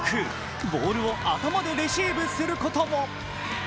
ボールを頭でレシーブすることも。